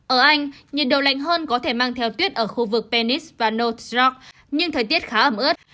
ở anh nhiệt độ lạnh hơn có thể mang theo tuyết ở khu vực penis và north rock nhưng thời tiết khá ấm ướt